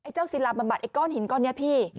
เจ้าศิลาบำบัดไอ้ก้อนหินก้อนนี้พี่